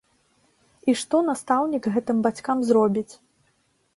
І што настаўнік гэтым бацькам зробіць?